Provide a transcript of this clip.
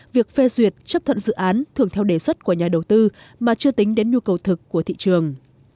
việc phê duyệt chấp thuận dự án thường theo đề xuất của nhà đầu tư mà chưa tính đến nhu cầu thực của thị trường